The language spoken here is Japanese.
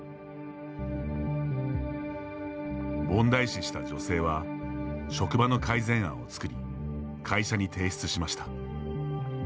問題視した女性は職場の改善案を作り会社に提出しました。